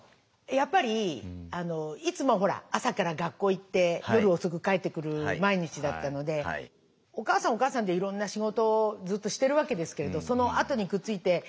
やっぱりいつもほら朝から学校へ行って夜遅く帰ってくる毎日だったのでお母さんはお母さんでいろんな仕事をずっとしてるわけですけれどそのあとにくっついて。